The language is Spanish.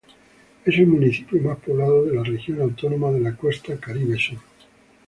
Es el municipio más poblado de la Región Autónoma de la Costa Caribe Sur.